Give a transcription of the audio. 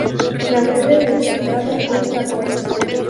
La sede del condado es La Porte.